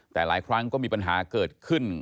แต่หลายครั้งก็มีปัญหาเกิดขึ้น